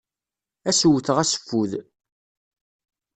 Ad as-wwteɣ aseffud.